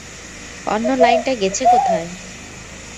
অন্য লাইনটা গেছে কোথায়?